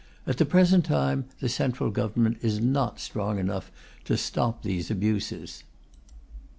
At the present time, the Central Government is not strong enough to stop these abuses.